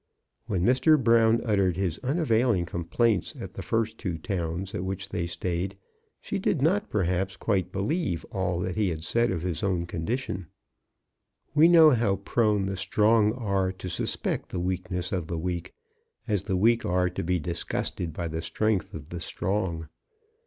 When Mr. Brown uttered his unavailing complaints at the first two towns at which they stayed, she did not, perhaps, quite believe all that he said of his own condition. We know how prone the strong are to suspect the weakness of the weak — as the weak are to be disgusted by the strength of the strong.